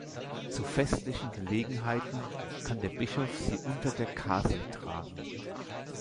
Zu festlichen Gelegenheiten kann der Bischof sie unter der Kasel tragen.